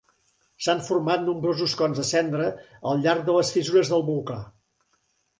S'han format nombrosos cons de cendra al llarg de les fissures del volcà.